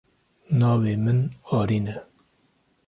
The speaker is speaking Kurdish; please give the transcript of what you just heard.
Navê min Arîn e.